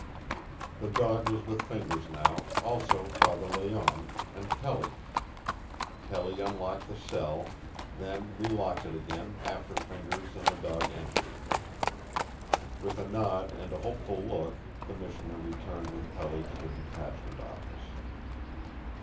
The dog was with Fingers now, also Father Layonne, and Pelly. Pelly unlocked the cell, then relocked it again after Fingers and the dog entered. With a nod and a hopeful look the missioner returned with Pelly to the detachment office.